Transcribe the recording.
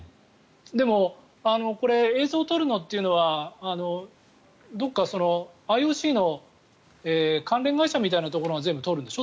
でも、映像を撮るのっていうのはどこかＩＯＣの関連会社みたいなところが全部撮るんでしょ？